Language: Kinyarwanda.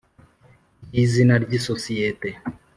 ry izina ry isosiyete